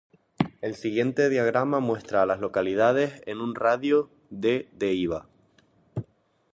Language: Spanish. El siguiente diagrama muestra a las localidades en un radio de de Iva.